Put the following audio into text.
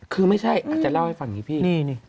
คือไม่ใช่อาจจะเล่าให้ฟังอย่างนี้พี่